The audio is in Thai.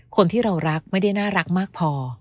คนที่เรารักไม่ได้น่ารักมากพอ